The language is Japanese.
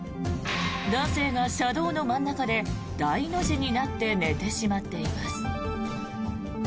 男性が車道の真ん中で大の字になって寝てしまっています。